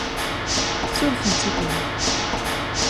Surfemt i Tom.